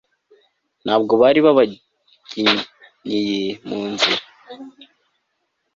nta bwo bari babagenyeye mu nzira